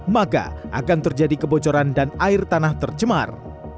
maka akan terjadi kebocoran dan air tanah tercemar